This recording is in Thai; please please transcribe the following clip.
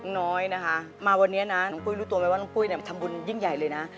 น้อยนะคะมาวันนี้นะน้องปุ้ยรู้ตัวไหมว่าน้องปุ้ยเนี่ยทำบุญยิ่งใหญ่เลยนะ